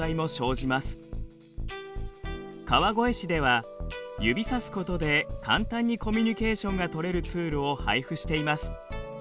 川越市では指さすことで簡単にコミュニケーションが取れるツールを配布しています。